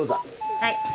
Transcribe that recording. はい。